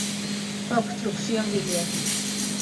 Obstrucción biliar.